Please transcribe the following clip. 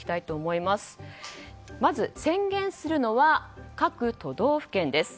まず宣言するのは各都道府県です。